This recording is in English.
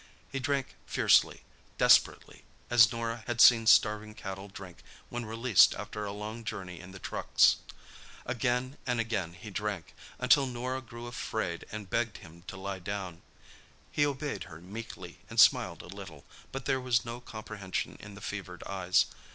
He drank fiercely, desperately, as Norah had seen starving cattle drink when released after a long journey in the trucks. Again and again he drank—until Norah grew afraid and begged him to lie down. He obeyed her meekly and smiled a little, but there was no comprehension in the fevered eyes.